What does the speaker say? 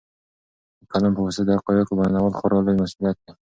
د قلم په واسطه د حقایقو بیانول خورا لوی مسوولیت دی.